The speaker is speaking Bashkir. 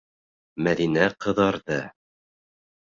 - Мәҙинә ҡыҙарҙы.